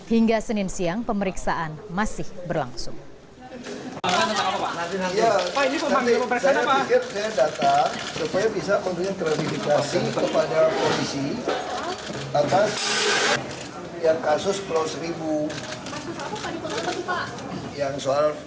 hingga senin siang pemeriksaan masih berlangsung